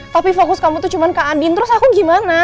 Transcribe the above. tapi fokus kamu tuh cuma kak andin terus aku gimana